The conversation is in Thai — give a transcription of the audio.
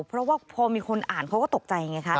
เพราะว่าพอมีคนอ่านเขาก็ตกใจไงคะ